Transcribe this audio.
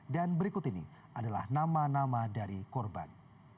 dan berikut ini adalah nama nama dari korban